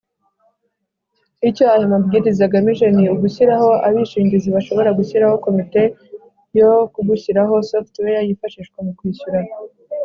Icyo aya Mabwiriza agamije ni ugushyiraho Abishingizi bashobora gushyiraho Komite yo ku Gushyiraho software yifashishwa mu kwishyura